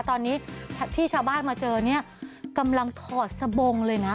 ตอนนี้ที่ชาวบ้านมาเจอเนี่ยกำลังถอดสบงเลยนะ